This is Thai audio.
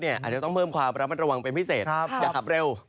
อาจจะต้องเพิ่มความระมัดระวังเป็นพิเศษอย่าขับเร็ว